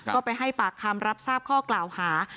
ก็ไปให้ปากคำรับทราบข้อกล่าวหา